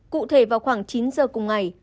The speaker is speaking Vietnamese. cụ thể vào khoảng chín giờ cùng ngày